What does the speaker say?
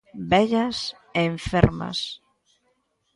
Vellas e enfermas.